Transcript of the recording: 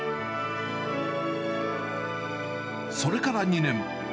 それから２年。